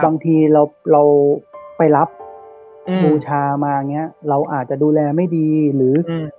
บางทีเราเราไปรับอ่าบูชามาอย่างเงี้ยเราอาจจะดูแลไม่ดีหรืออ่า